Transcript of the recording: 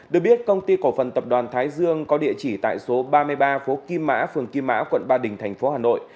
được biết công ty cổ phần tập đoàn thái dương có địa chỉ tại số ba mươi ba phố kim mã phường kim mã quận ba đình thành phố hà nội